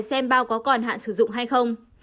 xem bao có còn hạn sử dụng hay không